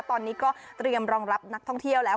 ตอนนี้ก็เตรียมรองรับนักท่องเที่ยวแล้ว